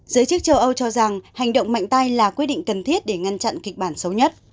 giới chức châu âu cho rằng hành động mạnh tay là quyết định cần thiết để ngăn chặn kịch bản xấu nhất